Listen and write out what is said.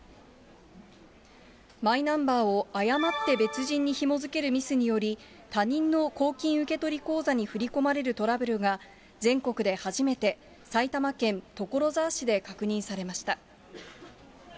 マイナンバーを誤って別人にひも付けるミスにより、他人の公金受取口座に振り込まれるトラブルが、全国で初めて埼玉県所沢市で確認されました。